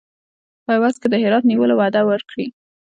په عوض کې د هرات نیولو وعده ورکړي.